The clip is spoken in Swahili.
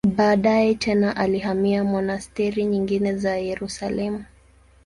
Baadaye tena alihamia monasteri nyingine za Yerusalemu.